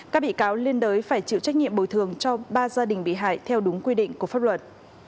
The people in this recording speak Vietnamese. các bị cáo liên đới phải chịu trách nhiệm bồi thường cho ba gia đình bị hại theo đúng quy định của pháp luật